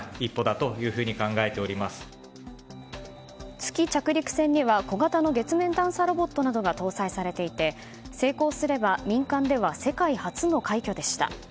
月着陸船には小型の月面探査ロボットなどが搭載されていて成功すれば民間では世界初の快挙でした。